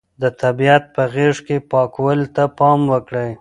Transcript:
د طبیعت په غېږ کې پاکوالي ته پام وکړئ.